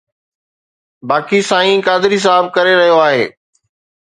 باقي سائين قادري صاحب ڪري رهيو آهي.